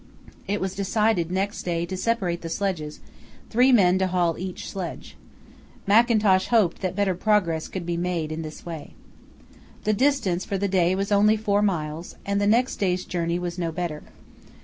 It was decided next day to separate the sledges, three men to haul each sledge. Mackintosh hoped that better progress could be made in this way. The distance for the day was only four miles, and the next day's journey was no better.